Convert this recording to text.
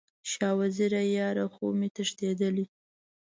شاه وزیره یاره، خوب مې تښتیدلی